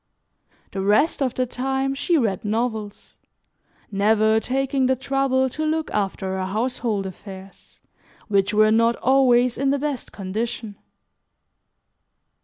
The rest of the time she read novels, never taking the trouble to look after her household affairs, which were not always in the best condition.